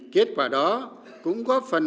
kết quả đó cũng góp phần